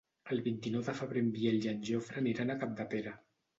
El vint-i-nou de febrer en Biel i en Jofre aniran a Capdepera.